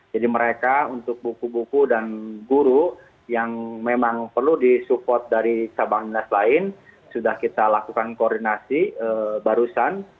jadi mereka untuk buku buku dan guru yang memang perlu disupport dari sabang dinas lain sudah kita lakukan koordinasi barusan